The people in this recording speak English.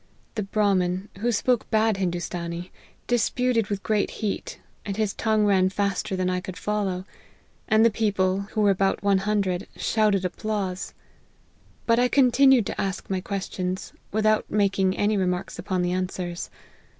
The Brahmin, who spoke bad Hindoostanee, disputed with great heat, and his tongue ran faster than I could follow ; and the people, who were about one hundred, shouted applause. But I continued to ask my questions, without making any remarks upon the answers.